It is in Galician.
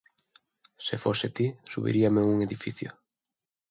Se fose ti, subiríame a un edificio